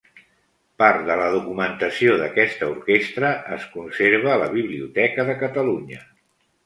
Part de la documentació d'aquesta orquestra es conserva a la Biblioteca de Catalunya.